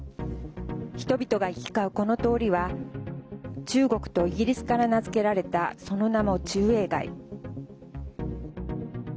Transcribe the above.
人々が行き交う、この通りは中国とイギリスから名付けられたその名も中英街。